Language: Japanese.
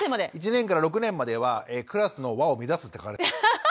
１年から６年までは「クラスの和を乱す」って書かれてたんですよ。